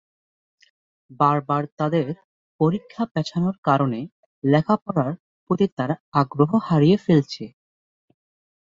বারবার তাদের পরীক্ষা পেছানোর কারণে লেখাপড়ার প্রতি তারা আগ্রহ হারিয়ে ফেলছে।